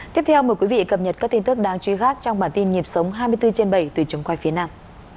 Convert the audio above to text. tiếp theo mời quý vị cập nhật các tin tức đáng chú ý khác trong bản tin nhịp sống hai mươi bốn trên bảy từ trường quay phía nam